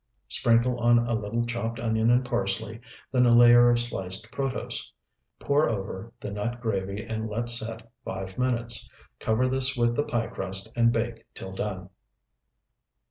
Sprinkle on a little chopped onion and parsley, then a layer of sliced protose. Pour over the nut gravy and let set five minutes. Cover this with the pie crust and bake till done.